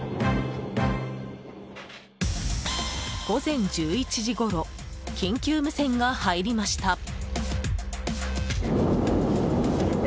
午前１１時ごろ緊急無線が入りました。